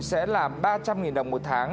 sẽ là ba trăm linh đồng một tháng